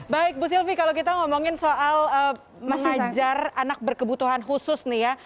baik bu sylvie kalau kita ngomongin soal mengajar anak berkebutuhan khusus nih ya